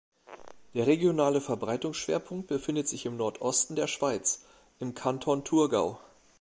Der regionale Verbreitungsschwerpunkt befindet sich im Nordosten der Schweiz, im Kanton Thurgau.